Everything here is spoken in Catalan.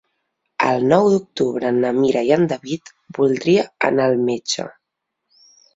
El nou d'octubre na Mira i en David voldria anar al metge.